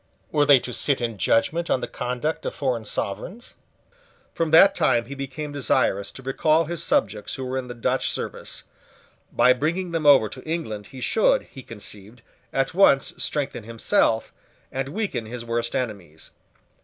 Were they to sit in judgment on the conduct of foreign sovereigns? From that time he became desirous to recall his subjects who were in the Dutch service. By bringing them over to England he should, he conceived, at once strengthen himself, and weaken his worst enemies.